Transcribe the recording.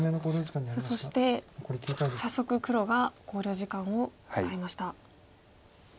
さあそして早速黒が考慮時間を使いました。